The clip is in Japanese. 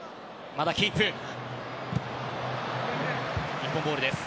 日本ボールです。